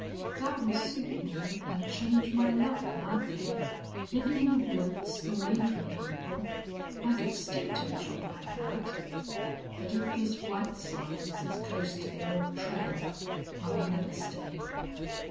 "That will suit me an' change my luck, likely. Livin' in the woods, away from people I could stick to a job like that.... But if this White Slides is close to the old trail I'll never stay."